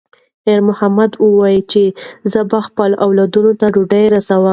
خیر محمد وایي چې زه به خپلو اولادونو ته ډوډۍ رسوم.